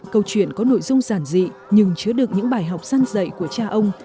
câu chuyện có nội dung giản dị nhưng chứa được những bài học dân dạy của cha ông